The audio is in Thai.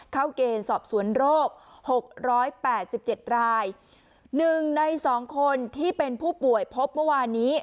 เกณฑ์สอบสวนโรคหกร้อยแปดสิบเจ็ดรายหนึ่งในสองคนที่เป็นผู้ป่วยพบเมื่อวานนี้